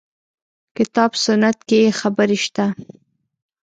کتاب سنت کې خبرې شته.